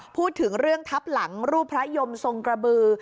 พูดถึงเรื่องทับหลังรูปพระยมทรงกระบือ